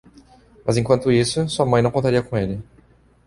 Mas enquanto isso, sua mãe não contaria com ele.